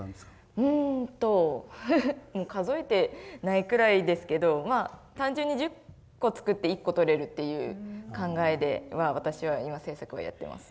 うんと数えてないくらいですけどまあ単純に１０個作って１個取れるっていう考えで私は今制作をやってます。